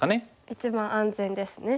一番安全ですね。